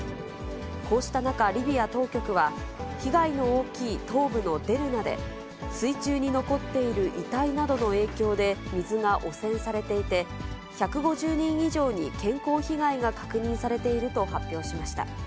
こうした中、リビア当局は、被害の大きい東部のデルナで、水中に残っている遺体などの影響で、水が汚染されていて、１５０人以上に健康被害が確認されていると発表しました。